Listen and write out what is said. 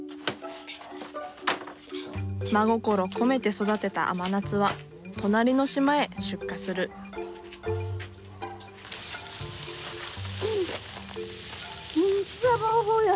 真心込めて育てた甘夏は隣の島へ出荷する草ぼうぼうや。